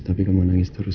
tapi kamu nangis terus